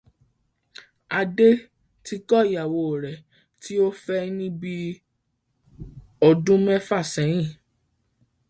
Adé ti kọ ìyàwó rẹ̀ tí ó fẹ́ níbí ọdún mẹ́fà sẹ́yìn.